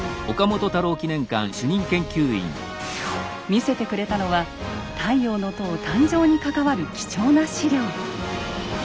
見せてくれたのは「太陽の塔」誕生に関わる貴重な資料。